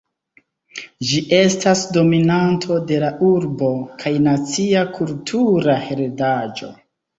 Ĝi estas dominanto de la urbo kaj nacia kultura heredaĵo.